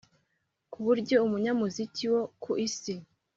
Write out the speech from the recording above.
k’uburyo umunyamuziki wo ku isi